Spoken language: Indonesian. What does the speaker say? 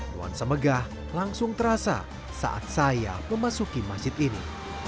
nuansa megah langsung terasa saat saya memasuki masjid ini